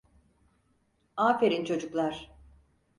Aferin çocuklar.